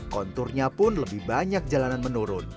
konturnya pun lebih banyak jalanan menurun